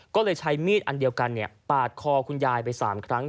ก็เลยใช้มีดอันเดียวกันปาดคอคุณยายไป๓ครั้ง